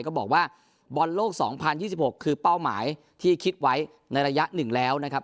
ก็บอกว่าบอลโลกสองพันยี่สิบหกคือเป้าหมายที่คิดไว้ในระยะหนึ่งแล้วนะครับ